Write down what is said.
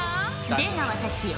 出川たちよ